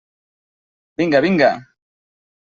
Vinga, vinga!